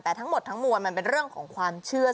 แต่ทั้งหมดทั้งมวลมันเป็นเรื่องของความเชื่อ